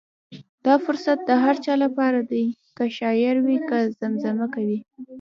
دا فرصت د هر چا لپاره دی، که شاعر وي که زمزمه کوونکی.